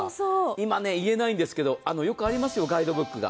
今言えないんですけれどもよくありますよ、ガイドブックが。